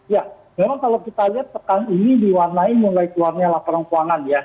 ya memang kalau kita lihat pekan ini diwarnai mulai keluarnya laporan keuangan ya